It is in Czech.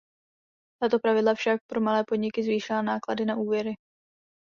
Tato pravidla však pro malé podniky zvýšila náklady na úvěry.